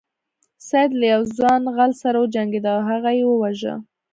سید له یو ځوان غل سره وجنګیده او هغه یې وواژه.